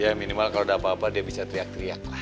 ya minimal kalau udah apa apa dia bisa teriak teriak lah